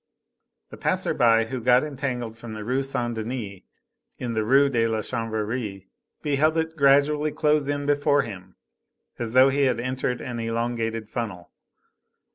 The passer by who got entangled from the Rue Saint Denis in the Rue de la Chanvrerie beheld it gradually close in before him as though he had entered an elongated funnel.